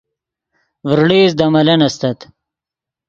ڤرڑئیست دے ملن استت